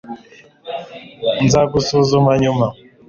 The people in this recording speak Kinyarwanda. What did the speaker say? Nzagusuzuma nyuma